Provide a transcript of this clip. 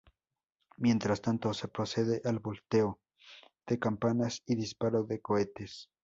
Mientras tanto se procede al volteo de campanas y disparo de cohetes.